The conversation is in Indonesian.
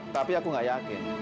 tapi aku gak yakin